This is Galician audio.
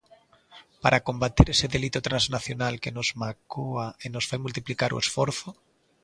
Para combater ese delito transnacional que nos mágoa e nos fai multiplicar o esforzo.